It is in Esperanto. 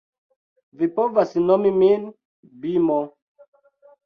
Vi povas nomi min Bimo